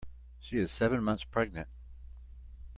She is seven months pregnant.